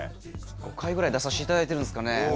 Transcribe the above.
５回ぐらい出させていただいてるんですかね。